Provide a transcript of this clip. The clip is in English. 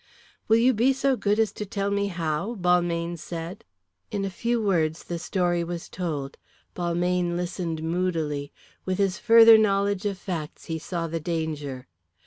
"Will you be so good as to tell me how?" Balmayne said. In a few words the story was told. Balmayne listened moodily. With his further knowledge of facts he saw the danger.